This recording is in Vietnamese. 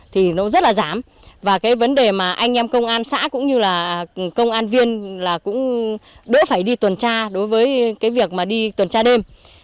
thì nó rất là giảm và cái vấn đề mà anh em công an xã cũng như là công an viên là cũng đỡ phải đi tuần tra đối với cái việc mà đi tuần tra đêm